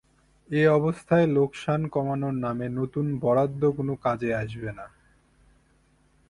এ অবস্থায় লোকসান কমানোর নামে নতুন বরাদ্দ কোনো কাজে আসবে না।